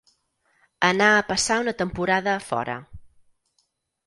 Anar a passar una temporada a fora.